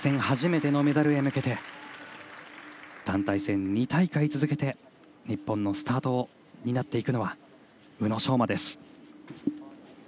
初めてのメダルに向けて団体戦２大会続けて日本のスタートを担っていくのは宇野昌磨です。